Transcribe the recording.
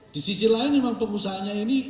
di sisi lain memang pengusahanya ini